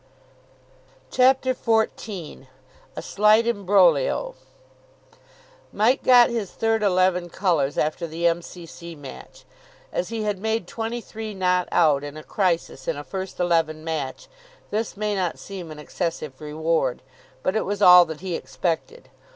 CHAPTER XIV A SLIGHT IMBROGLIO Mike got his third eleven colours after the M.C.C. match. As he had made twenty three not out in a crisis in a first eleven match, this may not seem an excessive reward. But it was all that he expected.